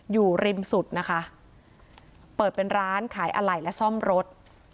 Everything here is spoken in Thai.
อยู่ริมสุดนะคะเปิดเป็นร้านขายอะไหล่และซ่อมรถ